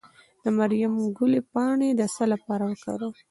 د مریم ګلي پاڼې د څه لپاره وکاروم؟